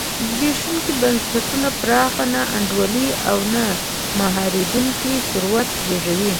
زبېښونکي بنسټونه پراخه نا انډولي او نه مهارېدونکی ثروت زېږوي.